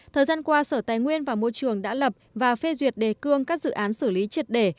thời gian qua sở tài nguyên và môi trường đã lập và phê duyệt đề cương các dự án xử lý triệt đề